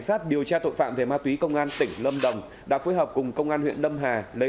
cảnh sát điều tra tội phạm về ma túy công an tỉnh lâm đồng đã phối hợp cùng công an huyện lâm hà lấy